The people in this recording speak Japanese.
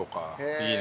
いいね。